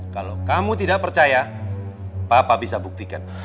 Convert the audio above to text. kalau kamu tidak percaya papa bisa buktikan